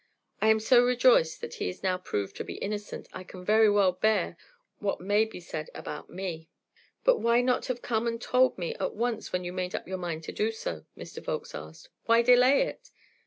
I am so rejoiced that he is now proved to be innocent, I can very well bear what may be said about me." "But why not have come and told me at once when you made up your mind to do so?" Mr. Volkes asked. "Why delay it?"